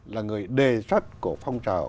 là người đề xuất của phong trào